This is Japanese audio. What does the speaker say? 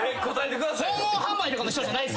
訪問販売とかの人じゃない。